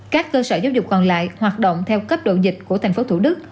các cơ sở giáo dục còn lại hoạt động theo cấp độ dịch của tp thủ đức